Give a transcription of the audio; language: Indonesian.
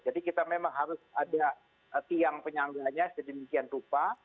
jadi kita memang harus ada tiang penyangganya sedemikian rupa